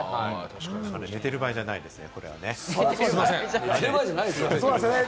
寝てる場合じゃないですよ！